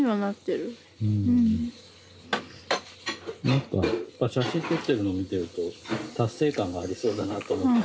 何か写真撮ってるのを見てると達成感がありそうだなと思って。